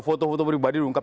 foto foto pribadi diungkap